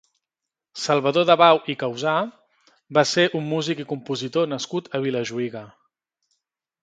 Salvador Dabau i Caussà va ser un músic i compositor nascut a Vilajuïga.